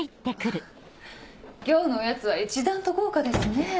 今日のおやつは一段と豪華ですね。